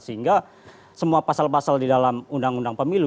sehingga semua pasal pasal di dalam undang undang pemilu